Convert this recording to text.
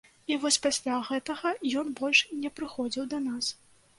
І вось пасля гэтага ён больш не прыходзіў да нас.